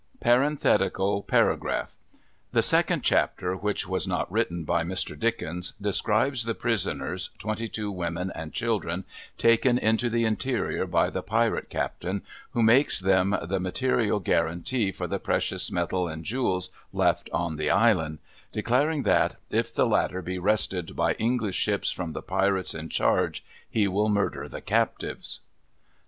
[The second chapter, which was not written by Mr. Dickens, describes the Prisoners (twenty two women and children) taken into the interior by the Pirate Captain, who makes them the ma terial guarantee for the precious metal and jewels left on the island ; declaring that, if the latter be wrested by English ships from the pirates in charge, he will murder the captives.